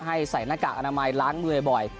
ใส่หน้ากากอนามัยล้างมือบ่อย